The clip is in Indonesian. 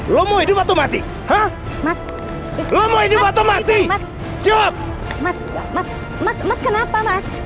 lo mau hidup atau mati hah mas lo mau hidup atau mati mas mas mas kenapa mas